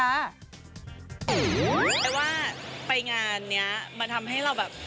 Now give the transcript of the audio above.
แต่ว่าไปงานนี้มันทำให้เราแบบ